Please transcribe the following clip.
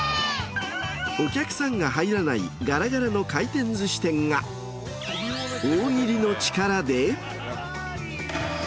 お客さんが入らないガラガラの回転寿司店が大喜利の力で。